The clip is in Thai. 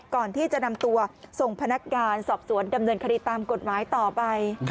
ก่อนที่จะนำตัวส่งพนักงานสอบสวนดำเนินคดีตามกฎหมายต่อไป